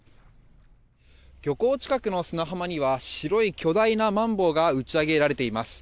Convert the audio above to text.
漁港近くの砂浜には白い巨大なマンボウが打ち上げられています。